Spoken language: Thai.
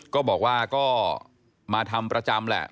ก็บอกว่าก็มาทำประจำแหละ